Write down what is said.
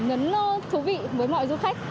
nhấn thú vị với mọi du khách